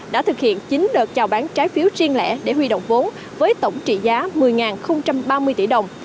đã thực hiện chín đợt chào bán trái phiếu riêng lẻ để huy động vốn với tổng trị giá một mươi ba mươi tỷ đồng